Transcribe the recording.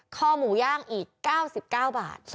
คอหมูย่างอีก๙๙บาท